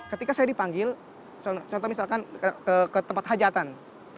ketika saya dipanggil contoh misalkan ke tempat hajatan